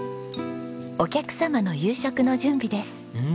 お客様の夕食の準備です。